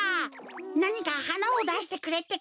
なにかはなをだしてくれってか。